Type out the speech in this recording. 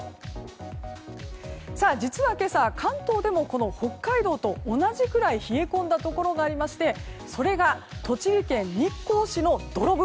実は今朝、関東でもこの北海道と同じくらい冷え込んだところがありましてそれが栃木県日光市の土呂部。